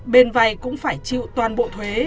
bền vay cũng phải chịu toàn bộ thuế